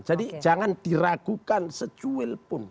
jadi jangan diragukan secuil pun